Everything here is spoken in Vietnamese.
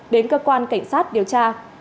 đến cơ quan cảnh sát điều tra